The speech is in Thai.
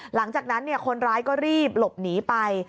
หลังจากนั้นคนร้ายก็รีบหลบหนีไป